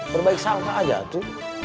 berbaik sangka aja atu